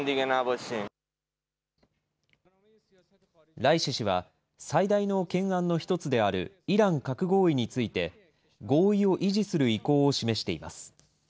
ライシ師は、最大の懸案の一つであるイラン核合意について、合意を維持する意向を示しています。